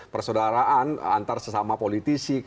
persaudaraan antar sesama politisi